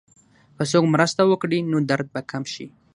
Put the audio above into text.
که څوک مرسته وکړي، نو درد به کم شي.